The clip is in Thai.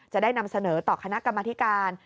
จะได้นำเสนอต่อคณะกรรมธิการ